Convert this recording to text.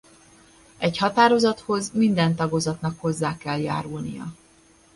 Egy határozathoz minden tagozatnak hozzá kell járulnia.